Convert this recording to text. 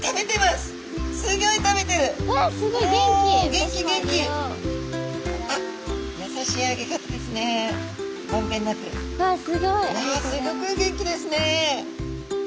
すギョく元気ですね。